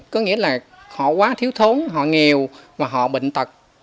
có nghĩa là họ quá thiếu thốn họ nghèo và họ bệnh tật